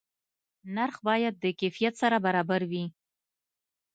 نرخ باید د کیفیت سره برابر وي.